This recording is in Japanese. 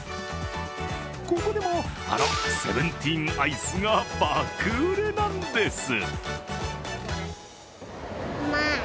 ここでも、あのセブンティーンアイスが爆売れなんです。